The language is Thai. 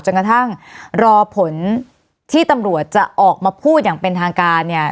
กระทั่งรอผลที่ตำรวจจะออกมาพูดอย่างเป็นทางการเนี่ย